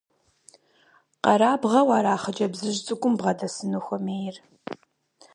Къэрабгъэу ара хъыджэбзыжь цӀыкӀум бгъэдэсыну хуэмейр?